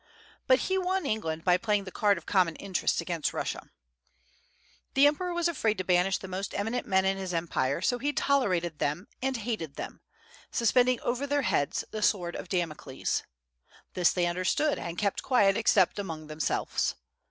But he won England by playing the card of common interests against Russia. The emperor was afraid to banish the most eminent men in his empire; so he tolerated them and hated them, suspending over their heads the sword of Damocles. This they understood, and kept quiet except among themselves.